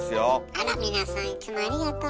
あら皆さんいつもありがとうね。